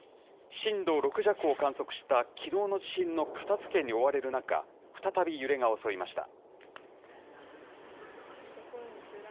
震度６弱を観測したきのうの地震の片づけに追われる中、再び揺れが襲いました。